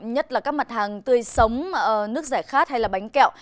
nhất là các mặt hàng tươi sống nước giải khát hay bánh kẹo